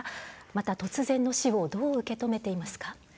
また、突然の死をどう受け止めていますか？